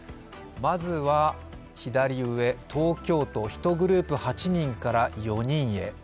まずは左上、東京都１グループ８人から４人へ。